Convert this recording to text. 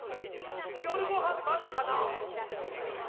夜ごはんまだかな？